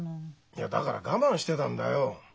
いやだから我慢してたんだよ。